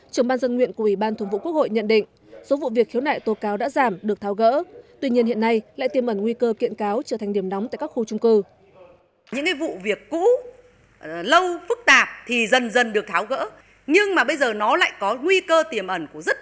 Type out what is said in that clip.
trưởng ban dân nguyện của ủy ban thường vụ quốc hội nhận định số vụ việc khiếu nại tố cáo đã giảm được tháo gỡ tuy nhiên hiện nay lại tiêm ẩn nguy cơ kiện cáo trở thành điểm nóng tại các khu trung cư